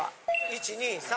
１２３。